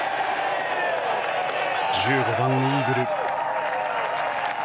１５番、イーグル。